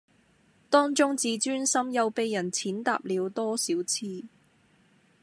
當中自尊心又被人踐踏了多少次